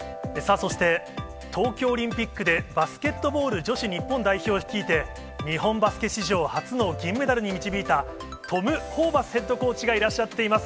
そして、東京オリンピックで、バスケットボール女子日本代表を率いて、日本バスケ史上初の銀メダルに導いた、トム・ホーバスヘッドコーチがいらっしゃっています。